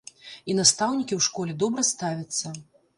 І настаўнікі ў школе добра ставяцца.